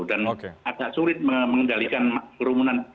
dan agak sulit mengendalikan kerumunan